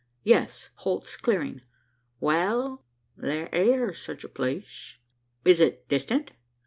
"Yes; Holt's Clearing." "Wal, there air such a place." "Is it distant?"